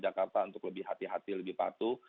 jakarta untuk lebih hati hati lebih patuh